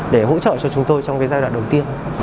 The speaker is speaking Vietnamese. để hỗ trợ cho chúng tôi trong giai đoạn đầu tiên